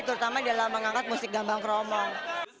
terutama dalam mengangkat musik gambang kromong